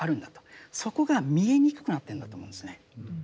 そこが見えにくくなってるんだと思うんですね。